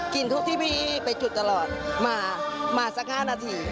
กลิ่นทูบที่พี่ไปจุดตลอดมาสัก๕นาที